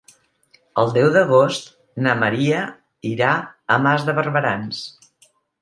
El deu d'agost na Maria irà a Mas de Barberans.